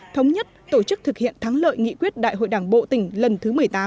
thống nhất tổ chức thực hiện thắng lợi nghị quyết đại hội đảng bộ tỉnh lần thứ một mươi tám